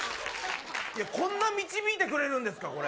こんな導いてくれるんですかこれ。